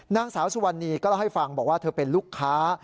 นางสาวสุวรรณีก็เล่าให้ฟังบอกว่าเธอเป็นลูกค้า